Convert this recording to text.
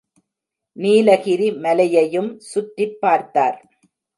நீலகிரி மலையையும் சுற்றிப் பார்த்தார்.